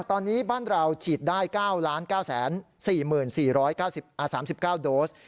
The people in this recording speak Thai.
ตอนนี้บ้านเราฉีดได้๙๙๔๔๓๙โดส